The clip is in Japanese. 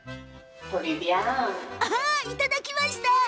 いただきました！